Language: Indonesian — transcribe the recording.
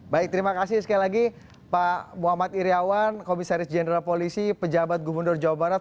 baik terima kasih sekali lagi pak muhammad iryawan komisaris jenderal polisi pejabat gubernur jawa barat